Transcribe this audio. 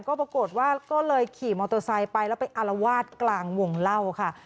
ก็ปรากฏว่าก็เลยขี่มอเตอร์ไซค์ไปแล้วไปอารวาสกลางวงเล่าค่ะ